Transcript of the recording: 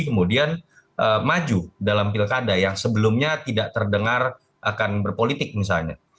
kemudian maju dalam pilkada yang sebelumnya tidak terdengar akan berpolitik misalnya